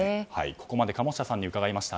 ここまで鴨下さんに伺いました。